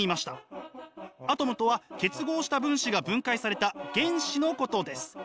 アトムとは結合した分子が分解された原子のことです。